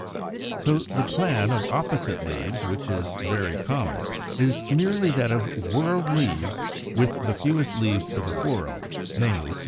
So the plan of opposite leaves, which is very common, is merely that of whorled leaves, with the fewest leaves to the whorl, namely, two.